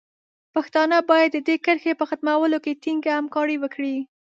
پښتانه باید د دې کرښې په ختمولو کې ټینګه همکاري وکړي.